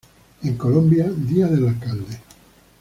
En Colombia día del alcalde